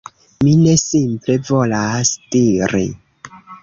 Mi ne simple volas diri: